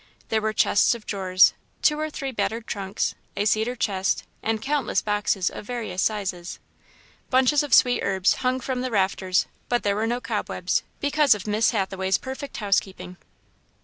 There were chests of drawers, two or three battered trunks, a cedar chest, and countless boxes, of various sizes. Bunches of sweet herbs hung from the rafters, but there were no cobwebs, because of Miss Hathaway's perfect housekeeping.